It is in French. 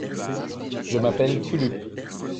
Je m'appelle Fulup.